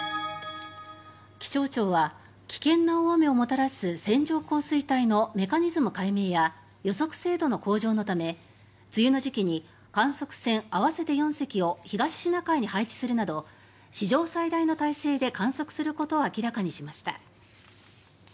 気象庁は危険な大雨をもたらす線状降水帯のメカニズム解明や予測精度の向上のため梅雨の時期に観測船合わせて４隻を東シナ海に配置するなど史上最大の態勢で観測することを明らかにしました。